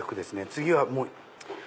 次はもう。